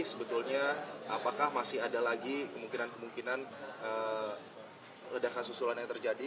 sebetulnya apakah masih ada lagi kemungkinan kemungkinan ledakan susulan yang terjadi